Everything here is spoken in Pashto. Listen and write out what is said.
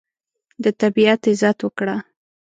د طبیعت عزت وکړه.